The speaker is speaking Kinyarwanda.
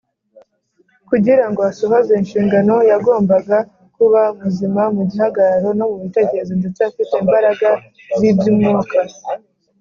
. Kugira ngo asohoze inshingano ye, yagombaga kuba muzima mu gihagararo, no mu bitekerezo ndetse afite imbaraga z’iby’umwuka.